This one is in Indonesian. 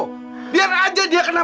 biar amira bisa berhati hati dengan kamu